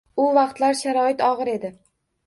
U vaqtlar sharoit og‘ir edi